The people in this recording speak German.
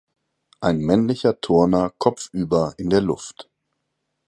Ein männlicher Turner kopfüber in der Luft.